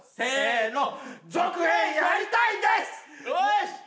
よし！